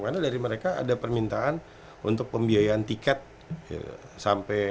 karena dari mereka ada permintaan untuk pembiayaan tiket sampai